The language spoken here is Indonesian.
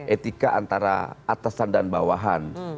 etika antara atasan dan bawahan